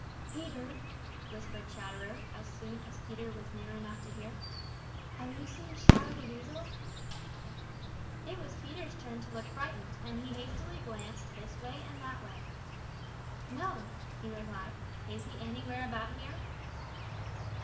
"Peter," whispered Chatterer, as soon as Peter was near enough to hear, "have you seen Shadow the Weasel?" It was Peter's turn to look frightened, and he hastily glanced this way and that way. "No," he replied. "Is he anywhere about here?"